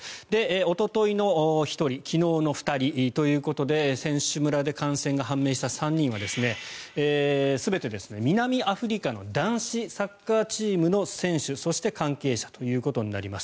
おとといの１人昨日の２人ということで選手村で感染が判明した３人は全て南アフリカの男子サッカーチームの選手そして関係者となります。